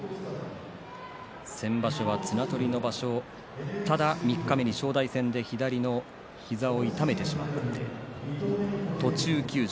先場所は綱取りの場所をただ１人三日目に正代戦で左の膝を痛めてしまって途中休場。